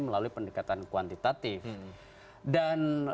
melalui pendekatan kuantitatif dan